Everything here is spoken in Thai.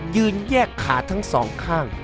๓ยืนแยกขาทั้ง๒ข้าง